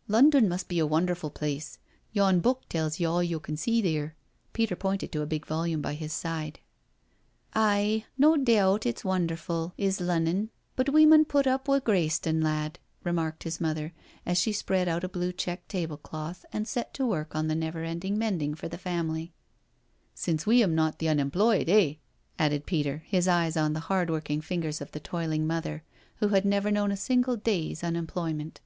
" London must be a wonderfu' place— yon book tells ye all yo' can see theer." Peter pointed to a big volume by his side. "Aye, no deaubt 'tis wonderfu', is Lunnon, but we mun put up wi' Greyston, lad," remarked his mother as she spread out a blue check tablecloth and set to work on the never ending mending for the family, " Since we'm not th' unemployed, eh I" added Peter, his eyes on the hard worked fingers of the toiling mother, who had never known a single day's unemploy ment.